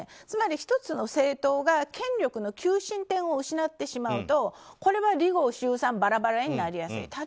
つまり、１つの政党が権力の求心点を失ってしまうとこれは離合集散バラバラになりやすい。